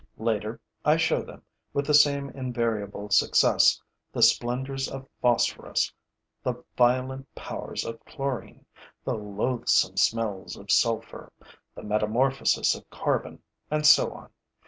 Later, I show them, with the same invariable success, the splendors of phosphorus, the violent powers of chlorine, the loathsome smells of sulfur, the metamorphoses of carbon and so on.